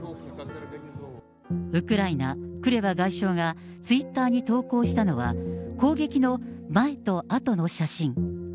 ウクライナ、クレバ外相がツイッターに投稿したのは、攻撃の前と後の写真。